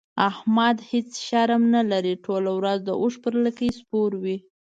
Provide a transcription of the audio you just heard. احمد هيڅ شرم نه لري؛ ټوله ورځ د اوښ پر لکۍ سپور وي.